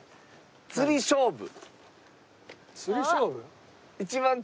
釣り勝負？